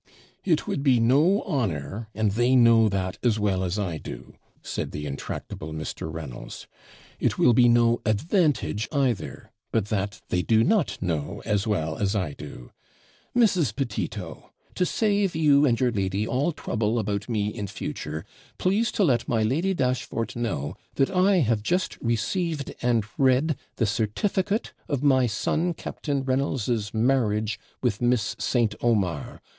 'It would be no honour, and they know that as well as I do,' said the intractable Mr. Reynolds. 'It will be no advantage, either; but that they do not know as well as I do. Mrs. Petito, to save you and your lady all trouble about me in future, please to let my Lady Dashfort know that I have just received and read the certificate of my son Captain Reynolds's marriage with Miss St. Omar.